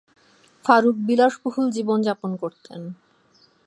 ফারুক বিলাসবহুল জীবনযাপন করতেন।